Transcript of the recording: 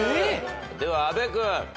では阿部君。